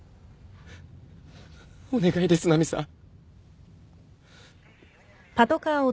お願いですナミさん。